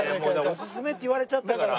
おすすめって言われちゃったから。